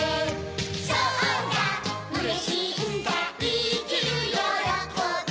そうだうれしいんだいきるよろこび